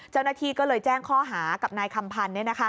เจ้าหน้าที่ก็เลยแจ้งข้อหากับนายคำพันธ์